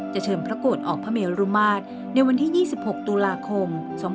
เชิญพระโกรธออกพระเมรุมาตรในวันที่๒๖ตุลาคม๒๕๖๒